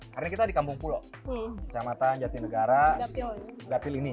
hari ini kita di kampung pulo kecamatan jatinegara gapil ini